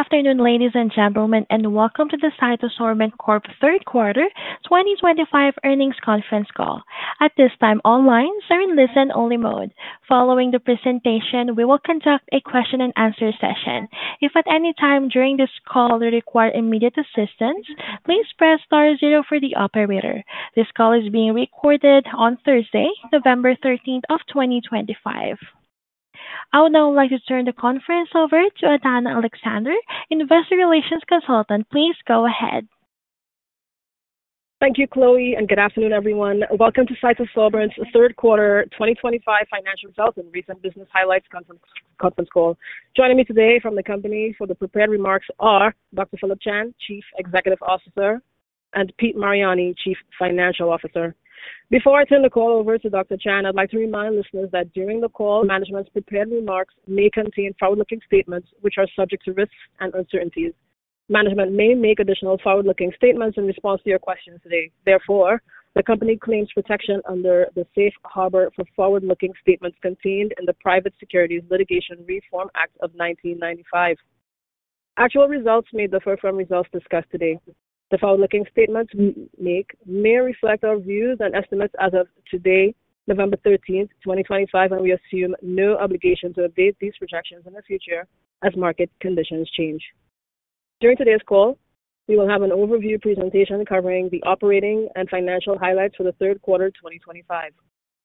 Good afternoon, ladies and gentlemen, and welcome to the CytoSorbents Corporation third quarter 2025 earnings conference call. At this time, all lines are in listen-only mode. Following the presentation, we will conduct a question-and-answer session. If at any time during this call you require immediate assistance, please press star zero for the operator. This call is being recorded on Thursday, November 13th, 2025. I would now like to turn the conference over to Adanna Alexander, Investor Relations Consultant. Please go ahead. Thank you, Chloe, and good afternoon, everyone. Welcome to CytoSorbents' 3rd Quarter 2025 financial results and recent business highlights conference call. Joining me today from the company for the prepared remarks are Dr. Philip Chan, Chief Executive Officer, and Pete Mariani, Chief Financial Officer. Before I turn the call over to Dr. Chan, I'd like to remind listeners that during the call, management's prepared remarks may contain forward-looking statements which are subject to risks and uncertainties. Management may make additional forward-looking statements in response to your questions today. Therefore, the company claims protection under the safe harbor for forward-looking statements contained in the Private Securities Litigation Reform Act of 1995. Actual results may differ from results discussed today. The forward-looking statements we make may reflect our views and estimates as of today, November 13th, 2025, and we assume no obligation to update these projections in the future as market conditions change. During today's call, we will have an overview presentation covering the operating and financial highlights for the 3rd Quarter 2025.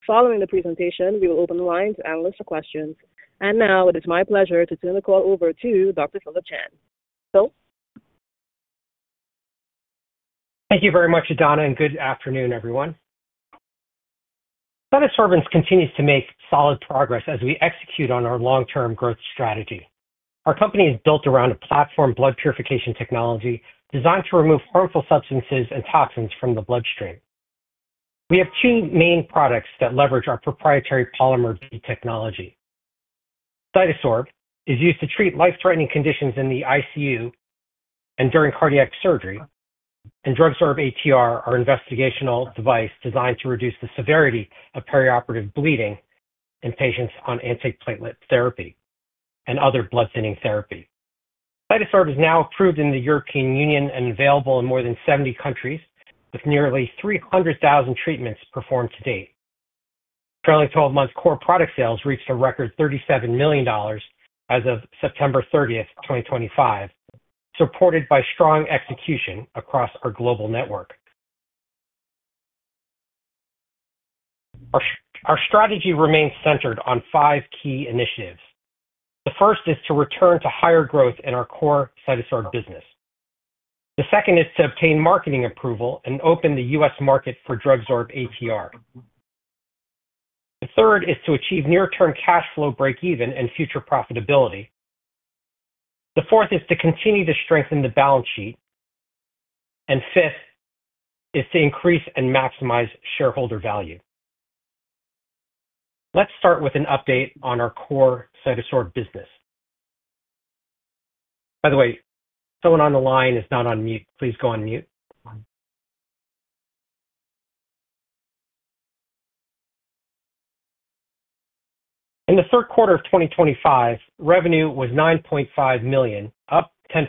Following the presentation, we will open the line to analysts for questions. It is my pleasure to turn the call over to Dr. Philip Chan. So. Thank you very much, Adanna, and good afternoon, everyone. CytoSorbents continues to make solid progress as we execute on our long-term growth strategy. Our company is built around a platform blood purification technology designed to remove harmful substances and toxins from the bloodstream. We have two main products that leverage our proprietary polymer B technology. CytoSorb is used to treat life-threatening conditions in the ICU and during cardiac surgery, and DrugSorb ATR is an investigational device designed to reduce the severity of perioperative bleeding in patients on antiplatelet therapy and other blood-thinning therapy. CytoSorb is now approved in the European Union and available in more than 70 countries, with nearly 300,000 treatments performed to date. During 12 months, core product sales reached a record $37 million as of September 30, 2025, supported by strong execution across our global network. Our strategy remains centered on five key initiatives. The first is to return to higher growth in our core CytoSorb business. The second is to obtain marketing approval and open the U.S. market for DrugSorb ATR. The third is to achieve near-term cash flow break-even and future profitability. The fourth is to continue to strengthen the balance sheet. Fifth is to increase and maximize shareholder value. Let's start with an update on our core CytoSorb business. By the way, someone on the line is not on mute. Please go on mute. In the 3rd Quarter of 2025, revenue was $9.5 million, up 10%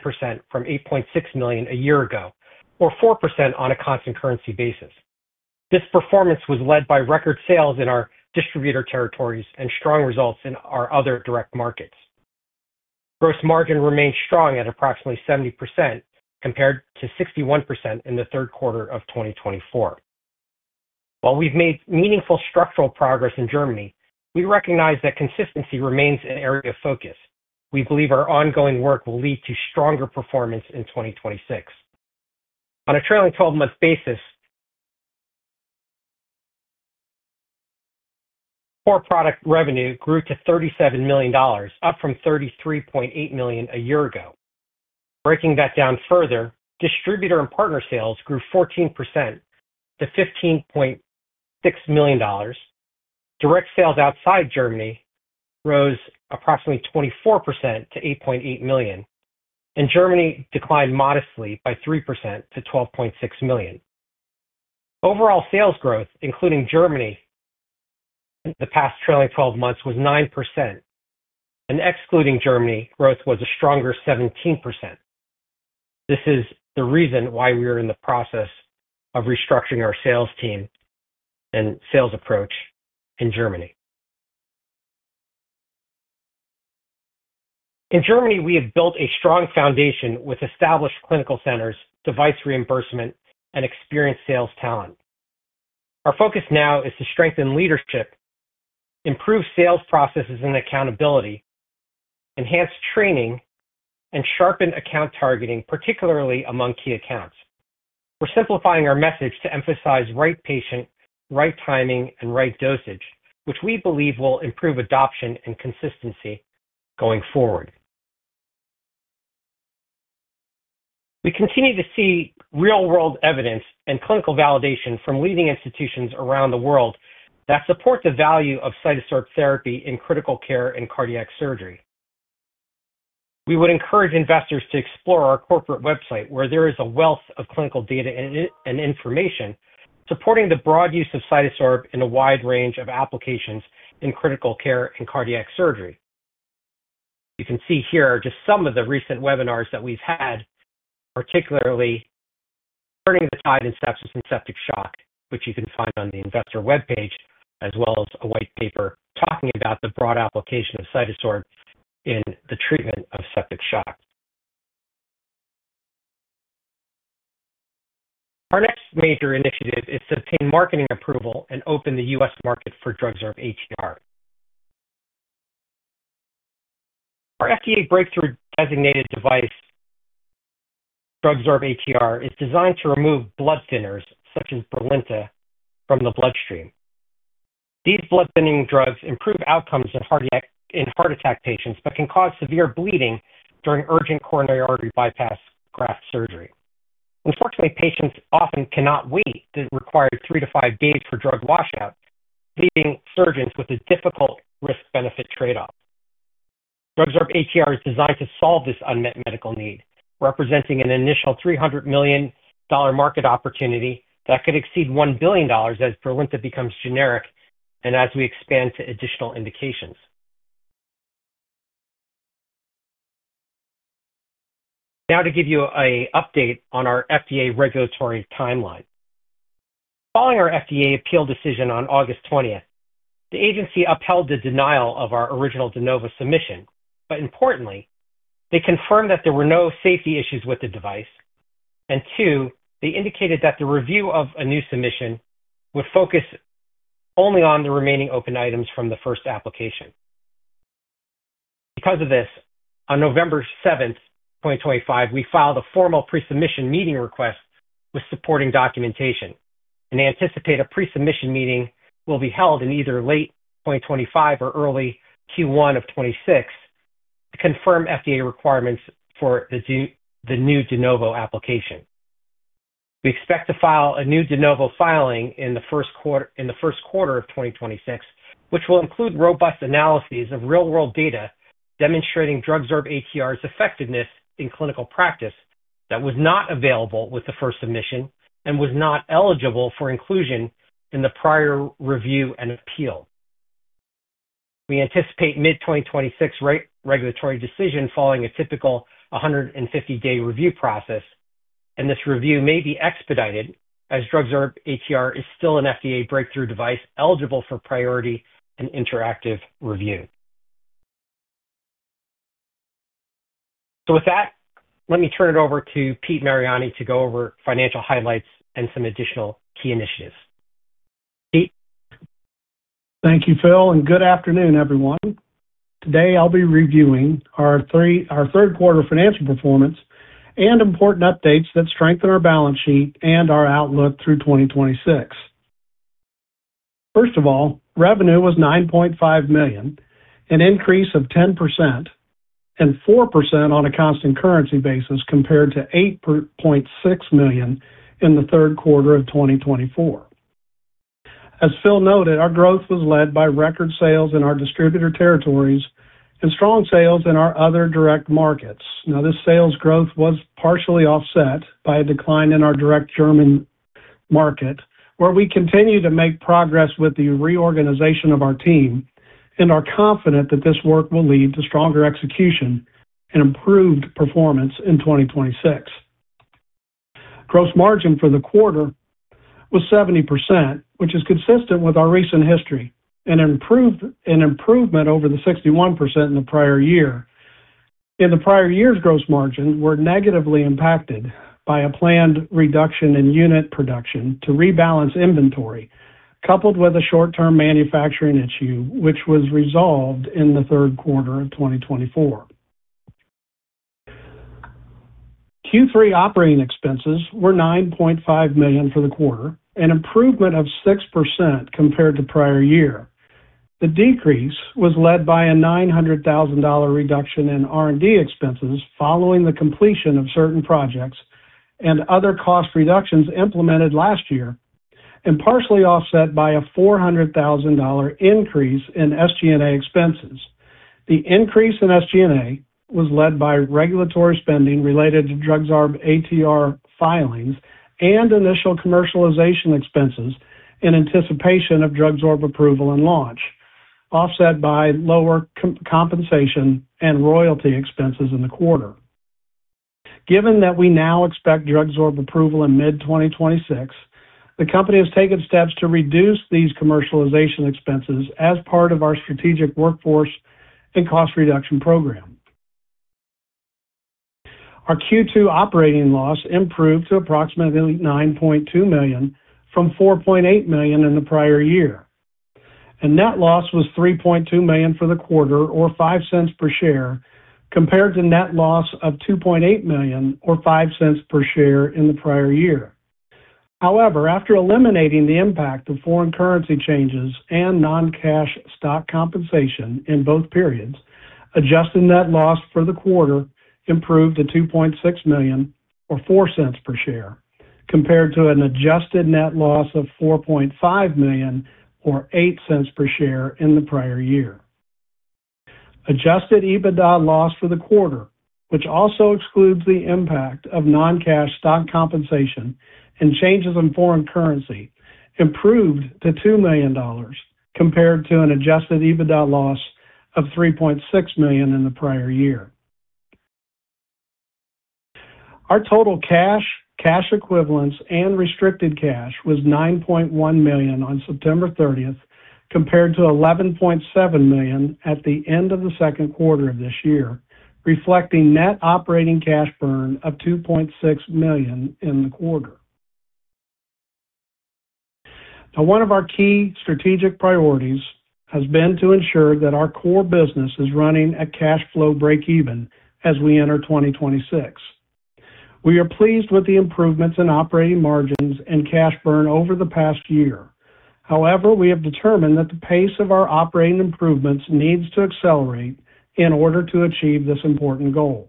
from $8.6 million a year ago, or 4% on a constant currency basis. This performance was led by record sales in our distributor territories and strong results in our other direct markets. Gross margin remained strong at approximately 70% compared to 61% in the 3rd Quarter of 2024. While we've made meaningful structural progress in Germany, we recognize that consistency remains an area of focus. We believe our ongoing work will lead to stronger performance in 2026. On a trailing 12-month basis, core product revenue grew to $37 million, up from $33.8 million a year ago. Breaking that down further, distributor and partner sales grew 14% to $15.6 million. Direct sales outside Germany rose approximately 24% to $8.8 million, and Germany declined modestly by 3% to $12.6 million. Overall sales growth, including Germany, in the past trailing 12 months was 9%, and excluding Germany, growth was a stronger 17%. This is the reason why we are in the process of restructuring our sales team and sales approach in Germany. In Germany, we have built a strong foundation with established clinical centers, device reimbursement, and experienced sales talent. Our focus now is to strengthen leadership, improve sales processes and accountability, enhance training, and sharpen account targeting, particularly among key accounts. We're simplifying our message to emphasize right patient, right timing, and right dosage, which we believe will improve adoption and consistency going forward. We continue to see real-world evidence and clinical validation from leading institutions around the world that support the value of CytoSorb therapy in critical care and cardiac surgery. We would encourage investors to explore our corporate website, where there is a wealth of clinical data and information supporting the broad use of CytoSorb in a wide range of applications in critical care and cardiac surgery. You can see here are just some of the recent webinars that we've had, particularly Turning the Tide in Sepsis and Septic Shock, which you can find on the Investor webpage, as well as a white paper talking about the broad application of CytoSorb in the treatment of septic shock. Our next major initiative is to obtain marketing approval and open the U.S. market for DrugSorb ATR. Our FDA breakthrough designated device, DrugSorb ATR, is designed to remove blood thinners such as Brilinta from the bloodstream. These blood-thinning drugs improve outcomes in heart attack patients but can cause severe bleeding during urgent coronary artery bypass graft surgery. Unfortunately, patients often cannot wait the required three to five days for drug washout, leaving surgeons with a difficult risk-benefit trade-off. DrugSorb ATR is designed to solve this unmet medical need, representing an initial $300 million market opportunity that could exceed $1 billion as Brilinta becomes generic and as we expand to additional indications. Now, to give you an update on our FDA regulatory timeline. Following our FDA appeal decision on August 20, 2025, the agency upheld the denial of our original De Novo submission. Importantly, they confirmed that there were no safety issues with the device. Two, they indicated that the review of a new submission would focus only on the remaining open items from the first application. Because of this, on November 7, 2025, we filed a formal pre-submission meeting request with supporting documentation. They anticipate a pre-submission meeting will be held in either late 2025 or early Q1 of 2026 to confirm FDA requirements for the new De Novo application. We expect to file a new De Novo filing in the first quarter of 2026, which will include robust analyses of real-world data demonstrating DrugSorb ATR's effectiveness in clinical practice that was not available with the first submission and was not eligible for inclusion in the prior review and appeal. We anticipate a mid-2026 regulatory decision following a typical 150-day review process. This review may be expedited as DrugSorb ATR is still an FDA breakthrough device eligible for priority and interactive review. With that, let me turn it over to Pete Mariani to go over financial highlights and some additional key initiatives. Pete. Thank you, Phil, and good afternoon, everyone. Today, I'll be reviewing our 3rd Quarter financial performance and important updates that strengthen our balance sheet and our outlook through 2026. First of all, revenue was $9.5 million, an increase of 10% and 4% on a constant currency basis compared to $8.6 million in the 3rd Quarter of 2024. As Phil noted, our growth was led by record sales in our distributor territories and strong sales in our other direct markets. Now, this sales growth was partially offset by a decline in our direct German market, where we continue to make progress with the reorganization of our team, and are confident that this work will lead to stronger execution and improved performance in 2026. Gross margin for the quarter was 70%, which is consistent with our recent history, an improvement over the 61% in the prior year. In the prior year's gross margin were negatively impacted by a planned reduction in unit production to rebalance inventory, coupled with a short-term manufacturing issue, which was resolved in the third quarter of 2024. Q3 operating expenses were $9.5 million for the quarter, an improvement of 6% compared to prior year. The decrease was led by a $900,000 reduction in R&D expenses following the completion of certain projects and other cost reductions implemented last year, and partially offset by a $400,000 increase in SG&A expenses. The increase in SG&A was led by regulatory spending related to DrugSorb ATR filings and initial commercialization expenses in anticipation of DrugSorb approval and launch, offset by lower compensation and royalty expenses in the quarter. Given that we now expect DrugSorb approval in mid-2026, the company has taken steps to reduce these commercialization expenses as part of our strategic workforce and cost reduction program. Our Q2 operating loss improved to approximately $9.2 million from $4.8 million in the prior year. Net loss was $3.2 million for the quarter, or $0.05 per share, compared to net loss of $2.8 million, or $0.05 per share in the prior year. However, after eliminating the impact of foreign currency changes and non-cash stock compensation in both periods, adjusted net loss for the quarter improved to $2.6 million, or $0.04 per share, compared to an adjusted net loss of $4.5 million, or $0.08 per share in the prior year. Adjusted EBITDA loss for the quarter, which also excludes the impact of non-cash stock compensation and changes in foreign currency, improved to $2 million, compared to an Adjusted EBITDA loss of $3.6 million in the prior year. Our total cash, cash equivalents, and restricted cash was $9.1 million on September 30th, compared to $11.7 million at the end of the 2nd Quarter of this year, reflecting net operating cash burn of $2.6 million in the quarter. Now, one of our key strategic priorities has been to ensure that our core business is running at cash flow break-even as we enter 2026. We are pleased with the improvements in operating margins and cash burn over the past year. However, we have determined that the pace of our operating improvements needs to accelerate in order to achieve this important goal.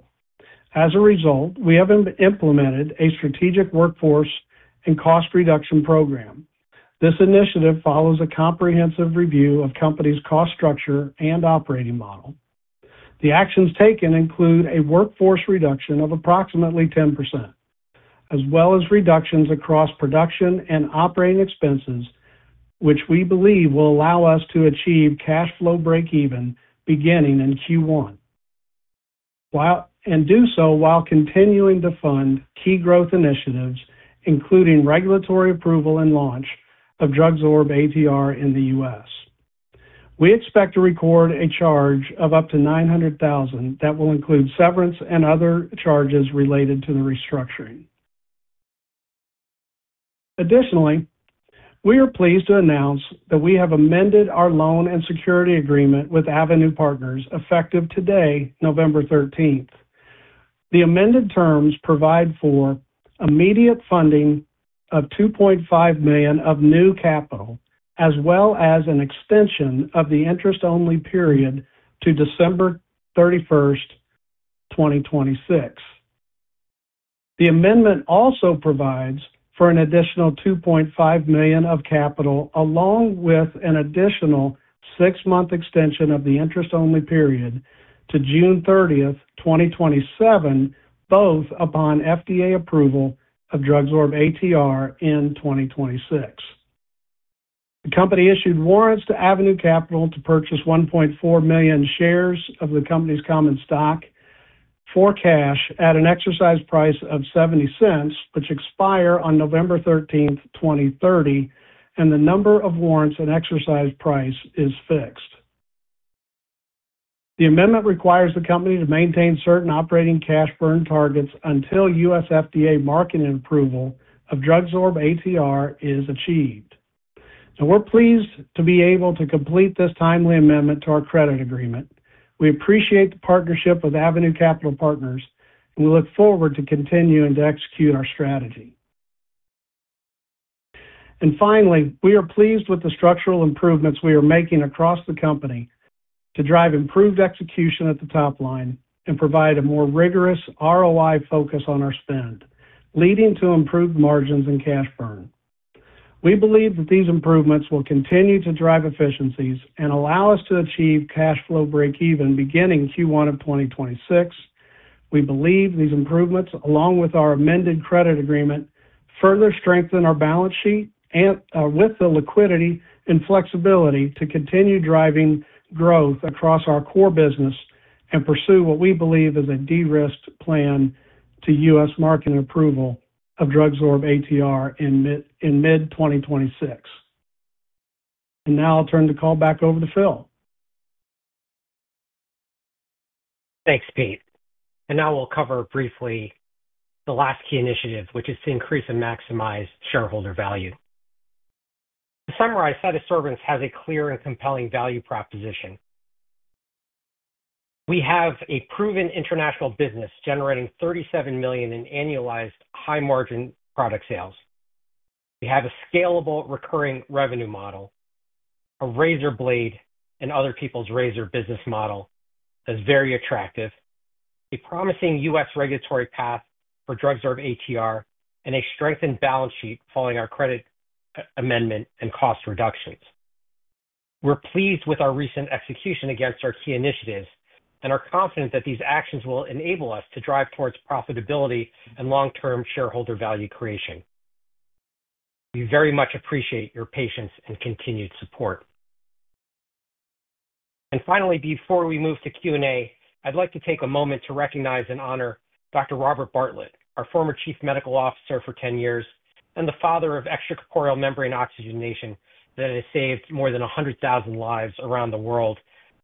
As a result, we have implemented a strategic workforce and cost reduction program. This initiative follows a comprehensive review of the company's cost structure and operating model. The actions taken include a workforce reduction of approximately 10%, as well as reductions across production and operating expenses, which we believe will allow us to achieve cash flow break-even beginning in Q1. We do so while continuing to fund key growth initiatives, including regulatory approval and launch of DrugSorb ATR in the U.S. We expect to record a charge of up to $900,000 that will include severance and other charges related to the restructuring. Additionally, we are pleased to announce that we have amended our loan and security agreement with Avenue Capital Group effective today, November 13th. The amended terms provide for immediate funding of $2.5 million of new capital, as well as an extension of the interest-only period to December 31st, 2026. The amendment also provides for an additional $2.5 million of capital, along with an additional six-month extension of the interest-only period to June 30, 2027, both upon FDA approval of DrugSorb ATR in 2026. The company issued warrants to Avenue Capital Group to purchase 1.4 million shares of the company's common stock for cash at an exercise price of $0.70, which expire on November 13, 2030, and the number of warrants at exercise price is fixed. The amendment requires the company to maintain certain operating cash burn targets until U.S. FDA market approval of DrugSorb ATR is achieved. Now, we're pleased to be able to complete this timely amendment to our credit agreement. We appreciate the partnership with Avenue Capital Group, and we look forward to continuing to execute our strategy. We are pleased with the structural improvements we are making across the company to drive improved execution at the top line and provide a more rigorous ROI focus on our spend, leading to improved margins and cash burn. We believe that these improvements will continue to drive efficiencies and allow us to achieve cash flow break-even beginning Q1 of 2026. We believe these improvements, along with our amended credit agreement, further strengthen our balance sheet with the liquidity and flexibility to continue driving growth across our core business and pursue what we believe is a de-risked plan to U.S. market approval of DrugSorb ATR in mid-2026. Now I'll turn the call back over to Phil. Thanks, Pete. Now we'll cover briefly the last key initiative, which is to increase and maximize shareholder value. To summarize, CytoSorbents has a clear and compelling value proposition. We have a proven international business generating $37 million in annualized high-margin product sales. We have a scalable recurring revenue model, a razor blade and other people's razor business model that's very attractive, a promising U.S. regulatory path for DrugSorb ATR, and a strengthened balance sheet following our credit amendment and cost reductions. We're pleased with our recent execution against our key initiatives and are confident that these actions will enable us to drive towards profitability and long-term shareholder value creation. We very much appreciate your patience and continued support. Finally, before we move to Q&A, I'd like to take a moment to recognize and honor Dr. Robert Bartlett, our former Chief Medical Officer for 10 years and the father of extracorporeal membrane oxygenation that has saved more than 100,000 lives around the world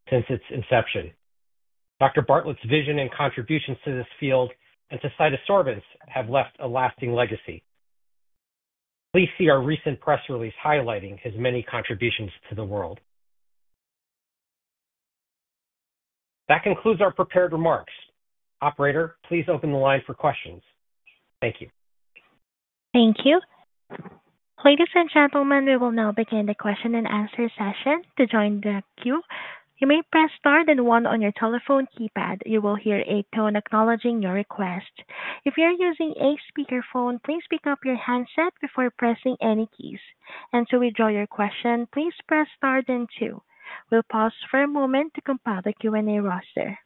since its inception. Dr. Bartlett's vision and contributions to this field and to CytoSorbents have left a lasting legacy. Please see our recent press release highlighting his many contributions to the world. That concludes our prepared remarks. Operator, please open the line for questions. Thank you. Thank you. Ladies and gentlemen, we will now begin the question and answer session. To join the queue, you may press star and one on your telephone keypad. You will hear a tone acknowledging your request. If you're using a speakerphone, please pick up your handset before pressing any keys. To withdraw your question, please press star and two. We'll pause for a moment to compile the Q&A roster.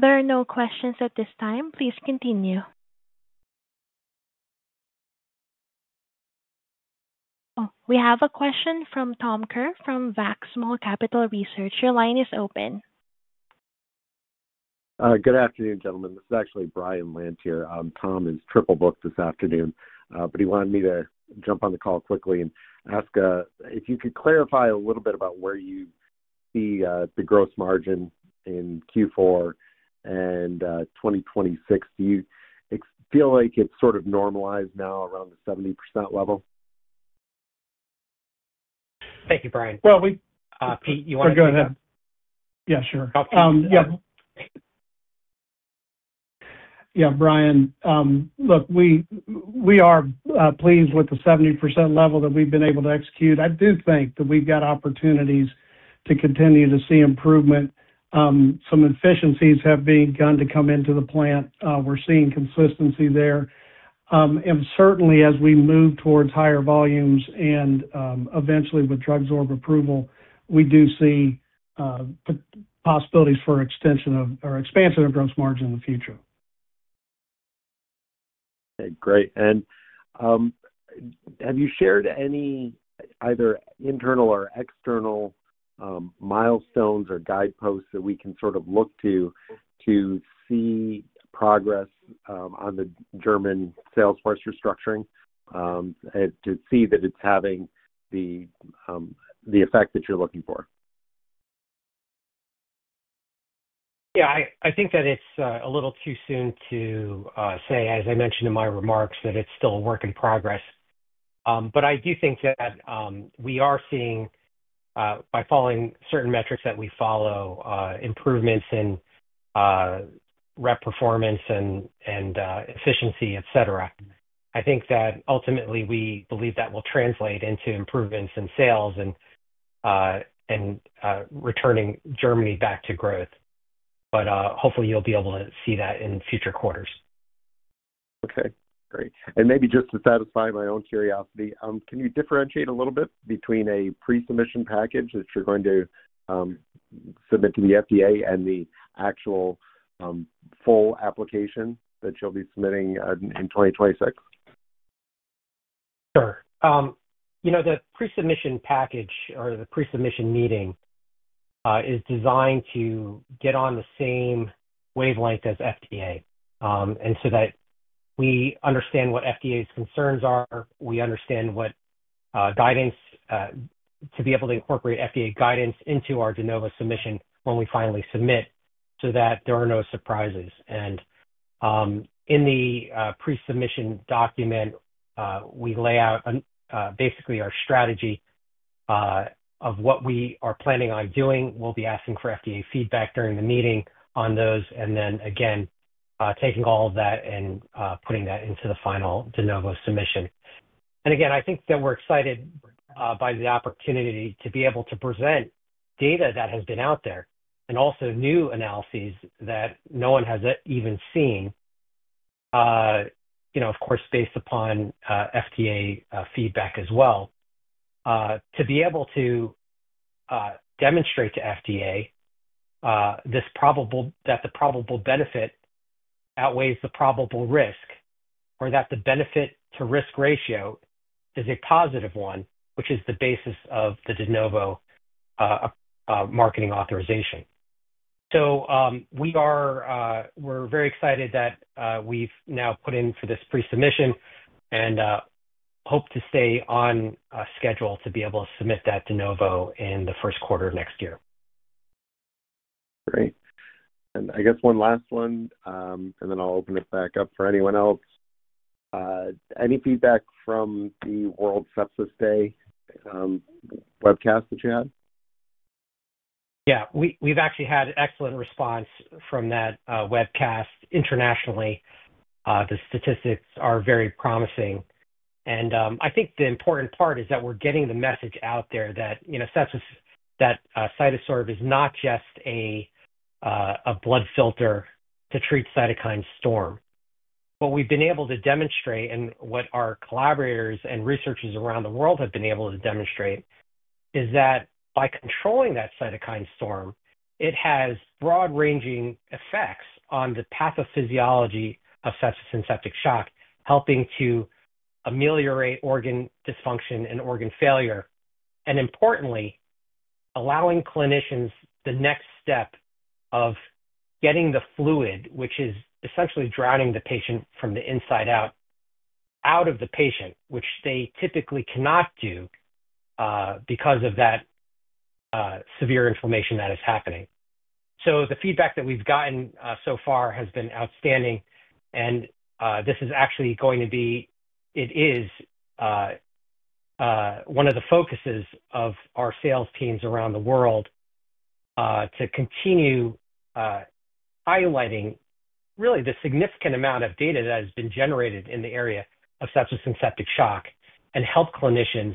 There are no questions at this time. Please continue. Oh, we have a question from Thomas Kerr from Zacks Small Cap Research. Your line is open. Good afternoon, gentlemen. This is actually Brian Lantier. Tom is triple booked this afternoon, but he wanted me to jump on the call quickly and ask if you could clarify a little bit about where you see the gross margin in Q4 and 2026. Do you feel like it's sort of normalized now around the 70% level? Thank you, Brian. Pete, you want to? Go ahead. Yeah, sure. Yeah. Brian, look, we are pleased with the 70% level that we've been able to execute. I do think that we've got opportunities to continue to see improvement. Some efficiencies have begun to come into the plant. We're seeing consistency there. Certainly, as we move towards higher volumes and eventually with DrugSorb approval, we do see possibilities for expansion of gross margin in the future. Okay, great. Have you shared any either internal or external milestones or guideposts that we can sort of look to to see progress on the German sales force restructuring to see that it's having the effect that you're looking for? Yeah, I think that it's a little too soon to say, as I mentioned in my remarks, that it's still a work in progress. I do think that we are seeing, by following certain metrics that we follow, improvements in rep performance and efficiency, etc. I think that ultimately we believe that will translate into improvements in sales and returning Germany back to growth. Hopefully, you'll be able to see that in future quarters. Okay, great. Maybe just to satisfy my own curiosity, can you differentiate a little bit between a pre-submission package that you're going to submit to the FDA and the actual full application that you'll be submitting in 2026? Sure. You know, the pre-submission package or the pre-submission meeting is designed to get on the same wavelength as FDA. That way we understand what FDA's concerns are, we understand what guidance to be able to incorporate FDA guidance into our De Novo submission when we finally submit so that there are no surprises. In the pre-submission document, we lay out basically our strategy of what we are planning on doing. We'll be asking for FDA feedback during the meeting on those, and then again, taking all of that and putting that into the final De Novo submission. I think that we're excited by the opportunity to be able to present data that has been out there and also new analyses that no one has even seen, you know, of course, based upon FDA feedback as well. To be able to demonstrate to FDA that the probable benefit outweighs the probable risk or that the benefit-to-risk ratio is a positive one, which is the basis of the De Novo marketing authorization. We are very excited that we've now put in for this pre-submission and hope to stay on schedule to be able to submit that De Novo in the first quarter of next year. Great. I guess one last one, and then I'll open it back up for anyone else. Any feedback from the World Sepsis Day webcast that you had? Yeah, we've actually had excellent response from that webcast internationally. The statistics are very promising. I think the important part is that we're getting the message out there that CytoSorb is not just a blood filter to treat cytokine storm. What we've been able to demonstrate and what our collaborators and researchers around the world have been able to demonstrate is that by controlling that cytokine storm, it has broad-ranging effects on the pathophysiology of sepsis and septic shock, helping to ameliorate organ dysfunction and organ failure. Importantly, allowing clinicians the next step of getting the fluid, which is essentially drowning the patient from the inside out, out of the patient, which they typically cannot do because of that severe inflammation that is happening. The feedback that we've gotten so far has been outstanding. This is actually going to be, it is one of the focuses of our sales teams around the world to continue highlighting really the significant amount of data that has been generated in the area of sepsis and septic shock and help clinicians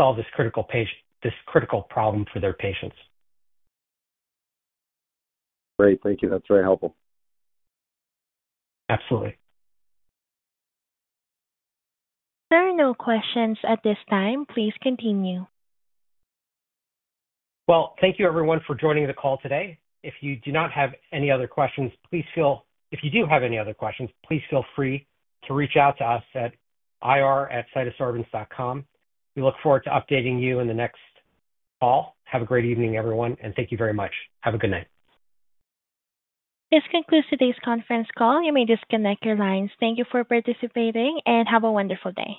solve this critical problem for their patients. Great. Thank you. That's very helpful. Absolutely. There are no questions at this time. Please continue. Thank you, everyone, for joining the call today. If you do have any other questions, please feel free to reach out to us at ir@cytosorbents.com. We look forward to updating you in the next call. Have a great evening, everyone, and thank you very much. Have a good night. This concludes today's conference call. You may disconnect your lines. Thank you for participating and have a wonderful day.